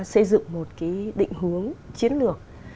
xây dựng một cái định hướng chiến lược